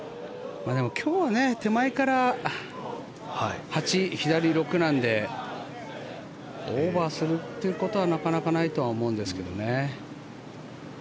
今日は手前から８、左６なのでオーバーするっていうことはなかなかないとは思うんですけどね。